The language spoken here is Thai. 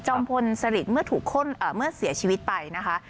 พลสลิดเมื่อถูกเมื่อเสียชีวิตไปนะคะ